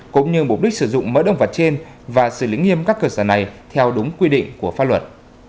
cũng như mục đích sử dụng mỡ động vật trên và xử lý nghiêm các cơ sở này theo đúng quy định của pháp luật